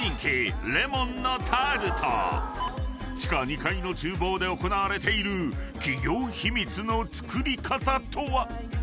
［地下２階の厨房で行われている企業秘密の作り方とは？］